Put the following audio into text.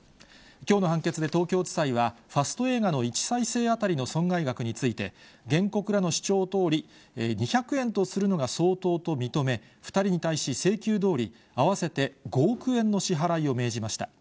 きょうの判決で東京地裁は、ファスト映画の１再生当たりの損害額について、原告らの主張どおり、２００円とするのが相当と認め、２人に対し請求どおり、合わせて５億円の支払いを命じました。